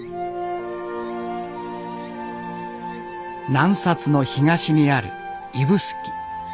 南の東にある指宿。